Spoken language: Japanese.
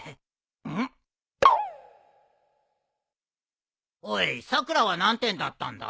んっ？おいさくらは何点だったんだ？